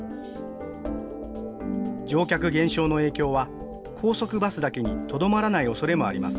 乗客減少の影響は、高速バスだけにとどまらないおそれもあります。